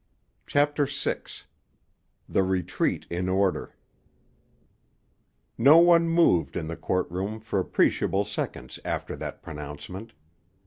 CHAPTER VI—THE RETREAT IN ORDER No one moved in the court room for appreciable seconds after that pronouncement.